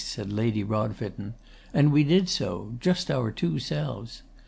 said Lady Rodfitten; and we did so "just our two selves."